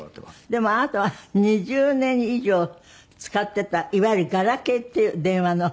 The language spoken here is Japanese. でもあなたは２０年以上使ってたいわゆるガラケーっていう電話の。